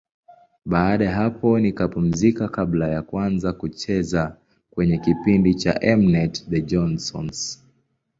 Baada ya hapo nikapumzika kabla ya kuanza kucheza kwenye kipindi cha M-net, The Johnsons.